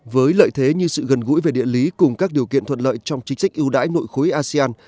với lợi thế như sự gần gũi về địa lý cùng các điều kiện thuận lợi trong chính sách ưu đãi nội khối asean